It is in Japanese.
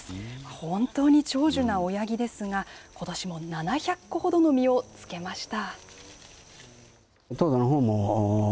本当に長寿な親木ですが、ことしも７００個ほどの実をつけました。